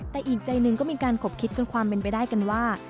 แต่อีกใจหนึ่งก็มีการขบคิดจนความเป็นไปได้กันว่า